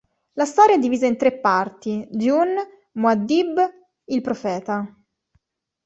La storia è divisa in tre parti: Dune, Muad'dib, il profeta.